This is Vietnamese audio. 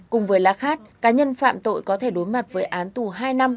cùng với lá khát cá nhân phạm tội có thể đối mặt với án tù hai năm